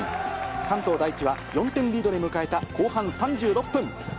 関東第一は４点リードで迎えた後半３６分。